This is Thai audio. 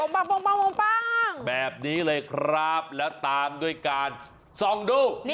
บ้างแบบนี้เลยครับแล้วตามด้วยการส่องดู